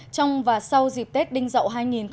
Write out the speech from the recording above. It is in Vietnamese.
trong và sau dịp tết đinh dậu hai nghìn một mươi bảy